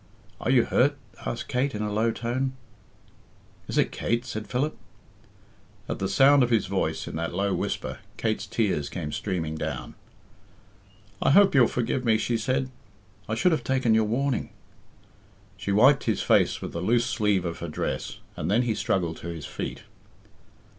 "Are you hurt?" asked Kate, in a low tone. "Is it Kate?" said Philip. At the sound of his voice, in that low whisper, Kate's tears came streaming down. "I hope youll forgive me," she said. "I should have taken your warning." She wiped his face with the loose sleeve of her dress, and then he struggled to his feet.